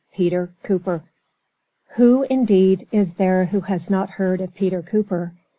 PETER COOPER Who, indeed, is there who has not heard of Peter Cooper?